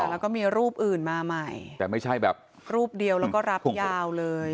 แล้วก็มีรูปอื่นมาใหม่รูปเดียวแล้วก็รับยาวเลย